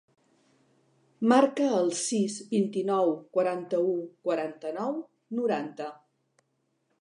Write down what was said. Marca el sis, vint-i-nou, quaranta-u, quaranta-nou, noranta.